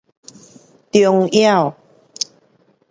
重要